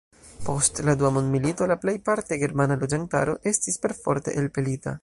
Post la dua mondmilito la plej parte germana loĝantaro estis perforte elpelita.